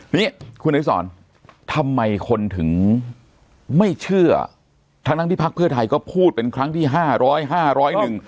นี่คุณไอสอนทำไมคนถึงไม่เชื่อทั้งที่พรรคเภอไทยก็พูดเป็นครั้งที่๕๐๐๕๐๐นึง